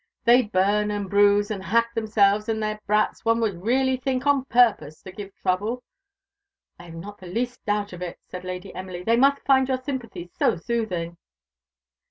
The burn, and bruise, and hack themselves and their brats, one would really think, on purpose to give trouble." "I have not the least doubt of it," said Lady Emily; "they must find your sympathy so soothing."